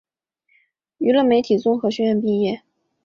娱乐媒体综合学院毕业。